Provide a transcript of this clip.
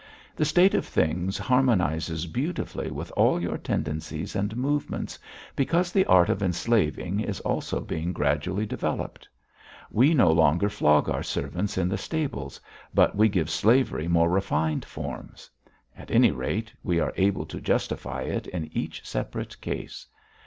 The state of things harmonises beautifully with all your tendencies and movements, because the art of enslaving is also being gradually developed. We no longer flog our servants in the stables, but we give slavery more refined forms; at any rate, we are able to justify it in each separate case.